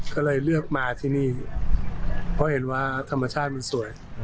ก็เลยเลือกมาที่นี่เพราะเห็นว่าธรรมชาติมันสวย